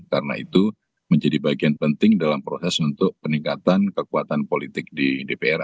karena itu menjadi bagian penting dalam proses untuk peningkatan kekuatan politik di dpr